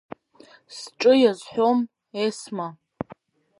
Сҿы иазҳәом, Есма!